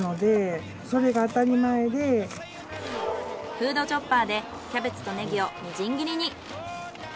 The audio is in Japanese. フードチョッパーでキャベツとネギをみじん切りに。